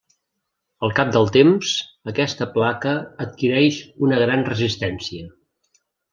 Al cap del temps, aquesta placa adquireix una gran resistència.